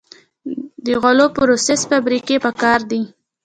د غلو پروسس فابریکې پکار دي.